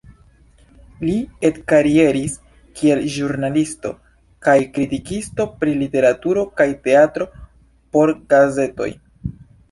Li ekkarieris kiel ĵurnalisto kaj kritikisto pri literaturo kaj teatro por gazetoj.